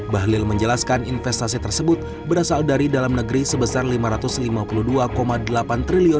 bahlil menjelaskan investasi tersebut berasal dari dalam negeri sebesar rp lima ratus lima puluh dua delapan triliun dan rp enam ratus lima puluh empat empat triliun